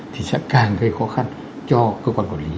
thì sẽ càng gây khó khăn cho cơ quan quản lý